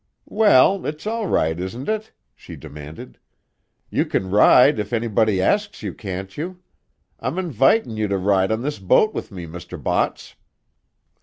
"Well, it's all right, isn't it?" she demanded. "You kin ride if anybody asks you, can't you? I'm invitin' you to ride on this boat with me, Mr. Botts!"